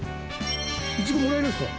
イチゴもらえるんですか？